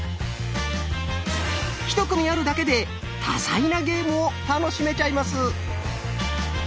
１組あるだけで多彩なゲームを楽しめちゃいます。